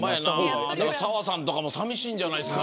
澤さんとかも寂しいんじゃないですか。